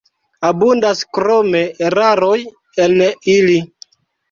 Abundas krome eraroj en ili.